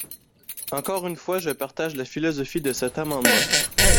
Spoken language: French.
Encore une fois, je partage la philosophie de cet amendement.